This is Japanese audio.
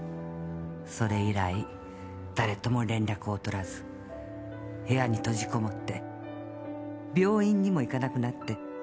それ以来誰とも連絡を取らず部屋に閉じ込もって病院にも行かなくなって。